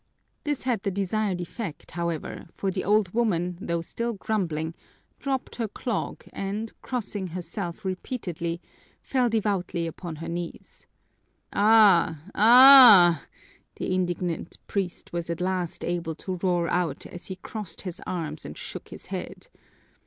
This had the desired effect, however, for the old woman, though still grumbling, dropped her clog and, crossing herself repeatedly, fell devoutly upon her knees. "Aaah! Aaah!" the indignant priest was at last able to roar out as he crossed his arms and shook his head.